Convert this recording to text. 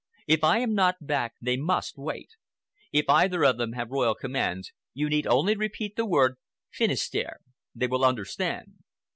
If I am not back, they must wait. If either of them have royal commands, you need only repeat the word 'Finisterre.' They will understand."